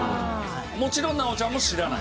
もちろん奈央ちゃんも知らない？